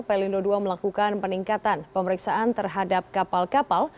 pelindo ii melakukan peningkatan pemeriksaan terhadap kapal kapal